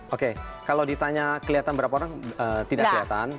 oke kalau ditanya kelihatan berapa orang tidak kelihatan